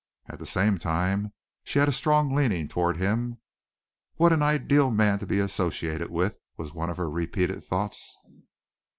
At the same time she had a strong leaning toward him. "What an ideal man to be associated with," was one of her repeated thoughts.